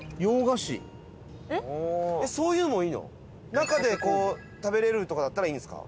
中で食べられるとかだったらいいんですか？